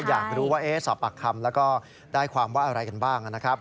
อยากรู้ว่าสอบปากคำแล้วก็ได้ความว่าอะไรกันบ้างนะครับ